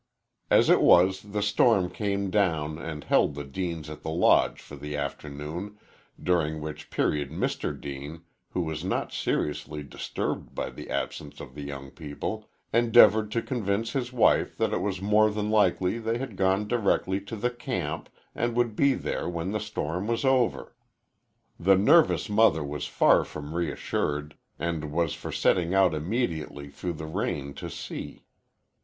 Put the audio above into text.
As it was, the storm came down and held the Deanes at the Lodge for the afternoon, during which period Mr. Deane, who was not seriously disturbed by the absence of the young people, endeavored to convince his wife that it was more than likely they had gone directly to the camp and would be there when the storm was over. The nervous mother was far from reassured, and was for setting out immediately through the rain to see.